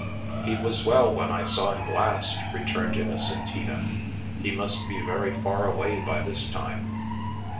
" He was well when I saw him last," returned Innocentina. " He must be very far away by this time."